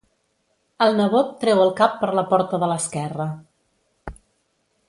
El nebot treu el cap per la porta de l'esquerra.